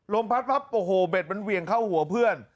พัดปั๊บโอ้โหเบ็ดมันเหวี่ยงเข้าหัวเพื่อน